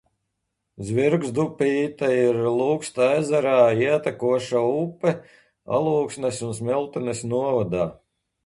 Zvirgzdupīte ir Luksta ezerā ietekoša upe Alūksnes un Smiltenes novados.